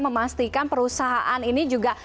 memastikan perusahaan ini juga